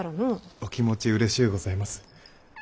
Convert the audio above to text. お気持ちうれしうございます。